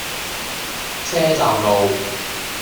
車站路